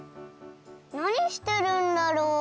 なにしてるんだろう？